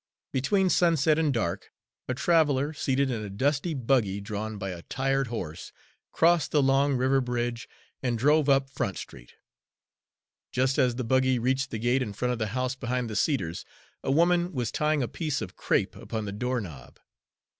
Between sunset and dark a traveler, seated in a dusty buggy drawn by a tired horse, crossed the long river bridge and drove up Front Street. Just as the buggy reached the gate in front of the house behind the cedars, a woman was tying a piece of crape upon the door knob.